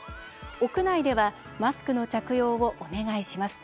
屋内では、マスクの着用をお願いします。